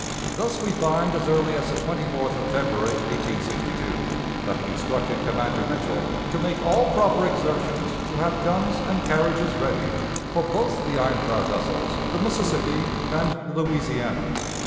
Thus we find as early as the 24th of February, 1862, that he instructed Commander Mitchell to make all proper exertions to have guns and carriages ready for both the iron clad vessels the Mississippi and the Louisiana.